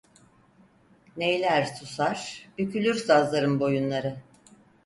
Neyler susar bükülür sazların boyunları.